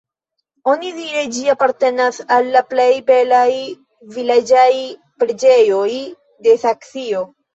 Onidire ĝi apartenas al la plej belaj vilaĝaj preĝejoj de Saksio.